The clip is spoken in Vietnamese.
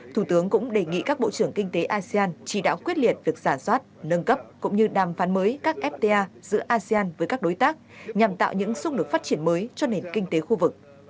thủ tướng cũng đề nghị các bộ trưởng kinh tế asean chỉ đạo quyết liệt việc giả soát nâng cấp cũng như đàm phán mới các fta giữa asean với các đối tác nhằm tạo những xung lực phát triển mới cho nền kinh tế khu vực